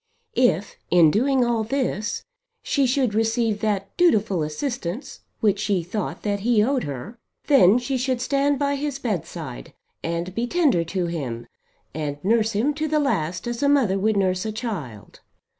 If in doing all this she should receive that dutiful assistance which she thought that he owed her, then she should stand by his bed side, and be tender to him, and nurse him to the last as a mother would nurse a child.